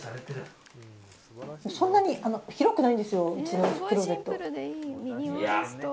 そんなに広くないんですようちのクローゼット。